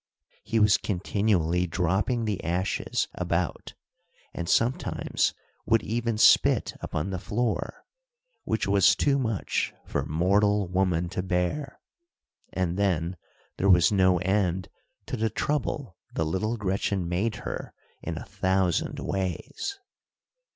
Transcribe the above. He was continually dropping the ashes about, and sometimes would even spit upon the floor, which was too much for mortal woman to bear; and then there was no end to the trouble the little Gretchen made her in a thousand ways.